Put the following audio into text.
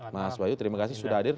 mas bayu terima kasih sudah hadir